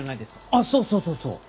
あっそうそうそう。